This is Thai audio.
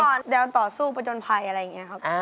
เมื่อเราต่อสู้ประจนภัยอะไรอย่างนี้ครับ